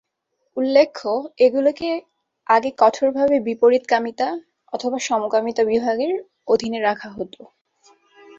উল্লেখ্য, এগুলিকে আগে কঠোরভাবে বিপরীতকামিতা/সমকামিতা বিভাগের অধীনে রাখা হতো।